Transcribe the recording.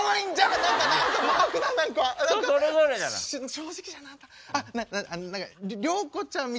正直じゃなあんた。